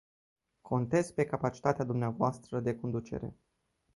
Contez pe capacitatea dumneavoastră de conducere.